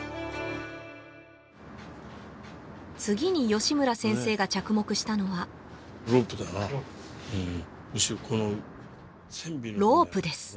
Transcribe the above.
次に吉村先生が着目したのはロープです